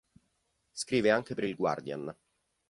Scrive anche per il Guardian.